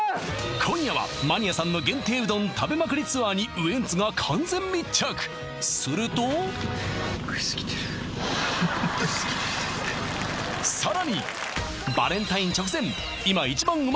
今夜はマニアさんの限定うどん食べまくりツアーにウエンツが完全密着するとさらにうま